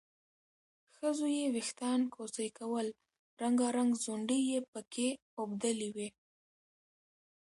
ښځو یې وېښتان کوڅۍ کول، رنګارنګ ځونډي یې پکې اوبدلي وو